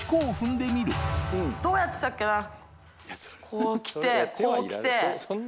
こう来てこう来て。